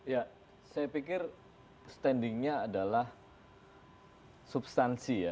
ya saya pikir standingnya adalah substansi ya